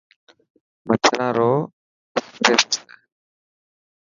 مڇران رو اسپري ٿيسي.